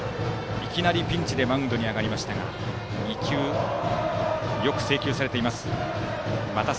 いきなりピンチでマウンドに上がりましたがよく制球されています。